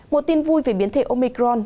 một tin vui về biến thể omicron